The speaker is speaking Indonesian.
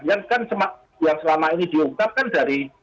yang kan yang selama ini diungkapkan dari